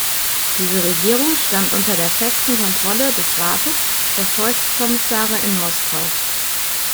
Diese Regierung stand unter der festen Kontrolle des Rates der Volkskommissare in Moskau.